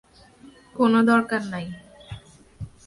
কোনো দরকার নাই।